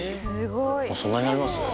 もうそんなになります？